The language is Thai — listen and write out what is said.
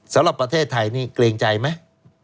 สำหรับประเทศไทยนี่เกรงใจไหม